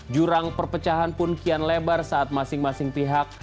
jurang perpecahan pun kian lebar saat masing masing pihak